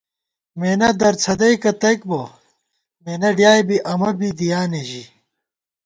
مېنہ در څھدَئیکہ تئیک بہ، مېنہ ڈیائے بی امہ بی دِیانےژِی